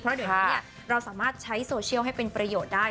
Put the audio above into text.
เพราะเดี๋ยวนี้เราสามารถใช้โซเชียลให้เป็นประโยชน์ได้